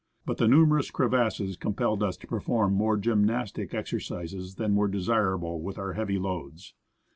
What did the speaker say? But the numerous crevasses compelled us to per form more gymnastic exercises than were desirable with our heavy loads.